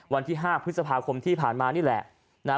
วันที่๕พฤษภาคมที่ผ่านมานี่แหละนะฮะ